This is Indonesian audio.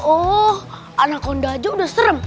oh anak honda aja udah serem